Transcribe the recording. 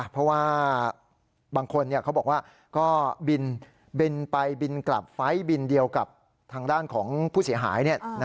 เพราะว่าบางคนเขาบอกว่าก็บินไปบินกลับไฟล์บินเดียวกับทางด้านของผู้เสียหาย